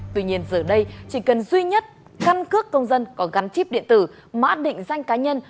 thứ nhất căn cước công dân có gắn chip điện tử mã định danh cá nhân